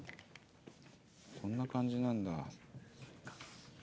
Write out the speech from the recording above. こんな感じなんだ。